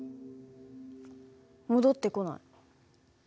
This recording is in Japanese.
戻ってこない。